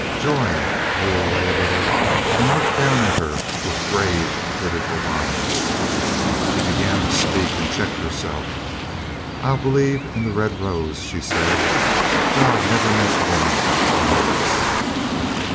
Joy drew away a little and looked down at her with grave, pitiful eyes. She began to speak and 370 COLONEL GREATHEART checked herself. "I'll believe in the red rose," she said. "God never meant women for maids."